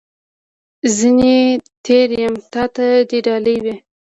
زه ځني تېر یم ، تا ته دي ډالۍ وي .